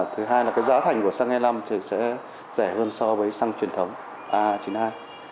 thứ hai là cái giá thành của xăng e năm sẽ rẻ hơn so với xăng truyền thống a chín mươi hai